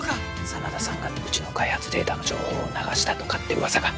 真田さんがうちの開発データの情報を流したとかって噂が。